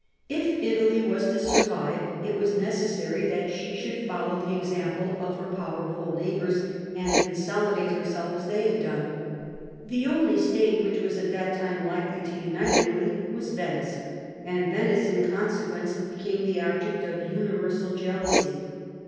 If Italy was to survive it was necessary that she should follow the example of her powerful neighbours, and consolidate herself as they had done. The only state which was at that time likely to unite Italy was Venice; and Venice, in consequence, became the object of universal jealousy.